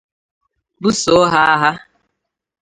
buso ha agha